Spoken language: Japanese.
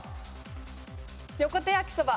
横手やきそば。